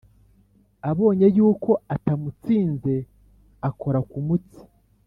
Abonye yuko atamutsinze akora ku mutsi